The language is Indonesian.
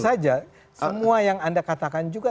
saja semua yang anda katakan juga